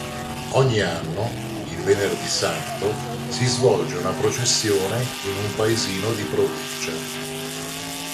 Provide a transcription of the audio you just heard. Ogni anno, il venerdì santo, si svolge una processione in un paesino di provincia.